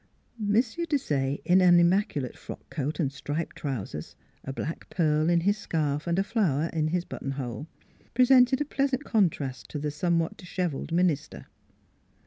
M. Desaye, in an immaculate frock coat and striped trousers, a black pearl in his scarf and a flower in his buttonhole, presented a pleasant contrast to the somewhat disheveled minister.